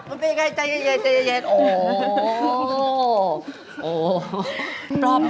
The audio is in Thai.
มันเป็นอย่างไรใจเย็น